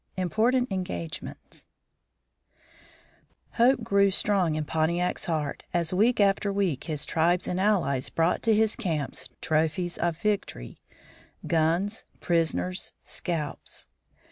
IMPORTANT ENGAGEMENTS Hope grew strong in Pontiac's heart as week after week his tribes and allies brought to his camp trophies of victory guns, prisoners, scalps.